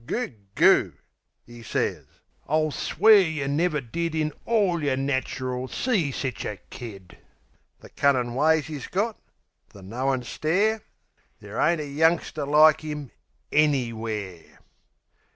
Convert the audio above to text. "Goog, goo," 'e sez. I'll swear yeh never did In all yer natcheril, see sich a kid. The cunnin' ways 'e's got; the knowin' stare Ther' ain't a youngster like 'im ANYWHERE!